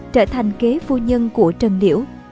trở thành kế phu nhân của trần liễu